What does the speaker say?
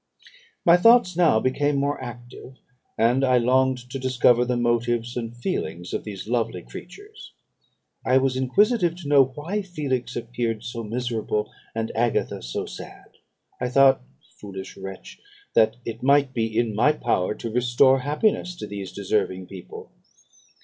"My thoughts now became more active, and I longed to discover the motives and feelings of these lovely creatures; I was inquisitive to know why Felix appeared so miserable, and Agatha so sad. I thought (foolish wretch!) that it might be in my power to restore happiness to these deserving people.